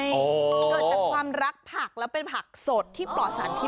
เกิดจากความรักผักและเป็นผักสดที่ปลอดสารพิษ